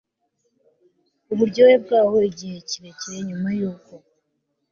uburyohe bwawo igihe kirekire nyuma yuko